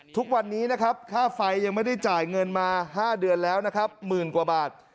ทุกวันนี้ค่าไฟยังไม่ได้จ่ายเงินมา๕เดือนแล้ว๑๐๐๐๐กว่าบาท